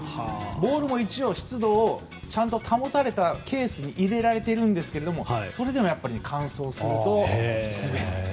ボールも一応、湿度をちゃんと保たれたケースに入れられてるんですがそれでも、乾燥すると滑るんです。